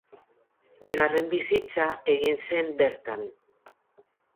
Bigarren bizitza egin zen bertan.